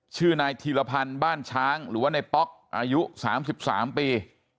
ชื่อนายธีรพันธ์บ้านช้างหรือว่าในป๊อกอายุ๓๓ปี